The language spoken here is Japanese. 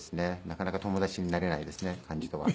なかなか友達になれないですね漢字とは。